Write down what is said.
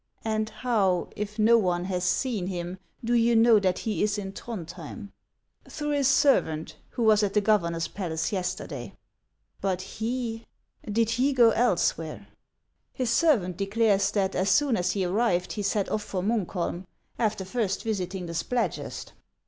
" And how, if no one has seen him, do you know that he is in Tlirondhjem ?"" Through his servant, who was at the governor's palace yesterday." " But he, — did he go elsewhere ?"" His servant declares that as soon as he arrived, he set off for Munkholm, after first visiting the Spladgest."